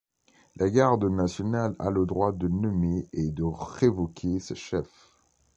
La Garde nationale a le droit de nommer et de révoquer ses chefs.